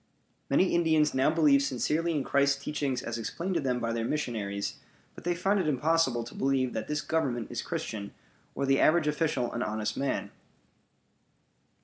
Many Indians now believe sincerely in Christ's teachings as explained to them by their missionaries, but they find it impossible to believe that this Government is Christian, or the average official an honest man.